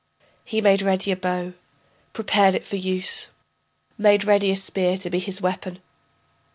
He made ready a bow, prepared it for use, Made ready a spear to be his weapon.